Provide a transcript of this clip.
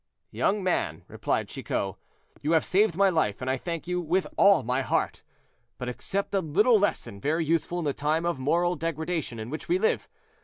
"Young man," replied Chicot, "you have saved my life, and I thank you with all my heart; but accept a little lesson very useful in the time of moral degradation in which we live.